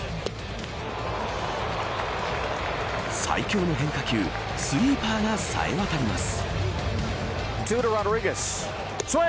最強の変化球スイーパーがさえ渡ります。